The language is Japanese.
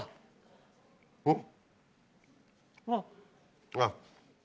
おっ。